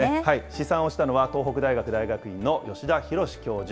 試算をしたのは、東北大学大学院の吉田浩教授。